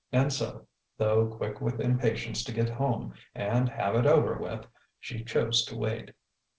And so, though quick with impatience to get home and "have it over with," she chose to wait.